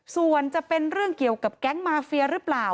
ส่วนจะเป็นเรื่องเกี่ยวกับแก๊งมาเฟียหรือเปล่า